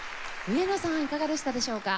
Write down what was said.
上野さんいかがでしたでしょうか？